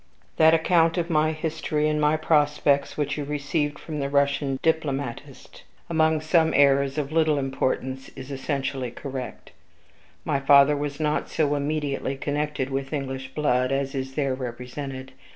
"That account of my history, and my prospects, which you received from the Russian diplomatist, among some errors of little importance, is essentially correct. My father was not so immediately connected with English blood as is there represented.